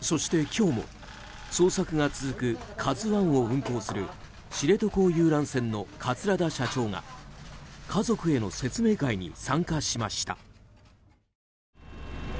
そして、今日も捜索が続く「ＫＡＺＵ１」を運航する知床遊覧船の桂田社長が家族への説明会に参加しました。